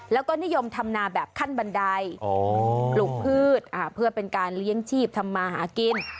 แล้วก็นิยมทำนาแบบขั้นบันไดปลูกพืชเพื่อเป็นการเลี้ยงชีพทำมาหากิน